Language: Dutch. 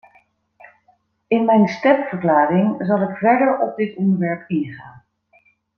In mijn stemverklaring zal ik verder op dit onderwerp ingaan.